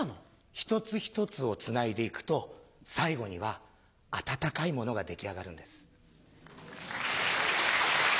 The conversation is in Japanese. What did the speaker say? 一つ一つをつないでいくと最後にはあたたかいものが出来上がるんです。